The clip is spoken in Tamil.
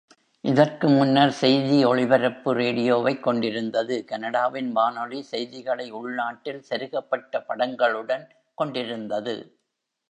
இதற்கு முன்னர் செய்தி ஒளிபரப்பு ரேடியோவைக் கொண்டிருந்தது-கனடாவின் வானொலி செய்திகளை உள்நாட்டில் செருகப்பட்ட படங்களுடன் கொண்டிருந்தது.